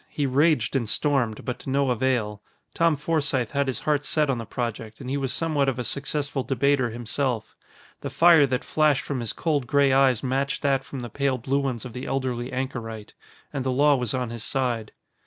He raged and stormed, but to no avail. Tom Forsythe had his heart set on the project and he was somewhat of a successful debater himself. The fire that flashed from his cold gray eyes matched that from the pale blue ones of the elderly anchorite. And the law was on his side.